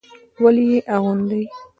ولې يې اغوندي.